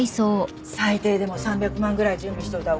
最低でも３００万ぐらい準備しといた方がいいよ。